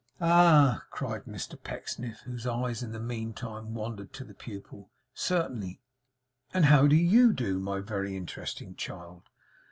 'Ah!' cried Mr Pecksniff whose eyes had in the meantime wandered to the pupil; 'certainly. And how do YOU do, my very interesting child?